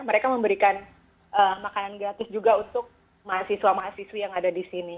mereka memberikan makanan gratis juga untuk mahasiswa mahasiswi yang ada di sini